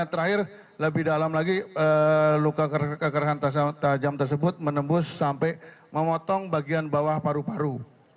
terakhir lebih dalam lagi luka kekerasan tajam tersebut menembus sampai memotong bagian bawah paru paru